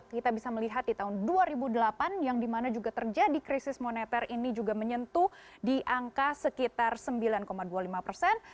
kita bisa melihat di tahun dua ribu delapan yang dimana juga terjadi krisis moneter ini juga menyentuh di angka sekitar sembilan dua puluh lima persen